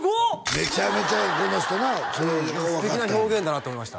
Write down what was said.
めちゃめちゃこの人なそれをよう分かってはる素敵な表現だなと思いました